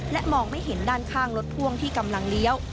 มองไม่เห็นด้านข้างรถพ่วงที่กำลังเลี้ยว